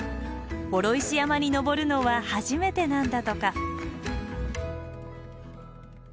双石山に登るのは初めてなんだとか。